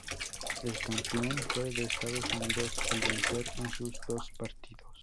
El campeón fue Estados Unidos al vencer en sus dos partidos.